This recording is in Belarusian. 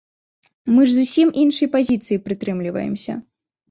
Мы ж зусім іншай пазіцыі прытрымліваемся.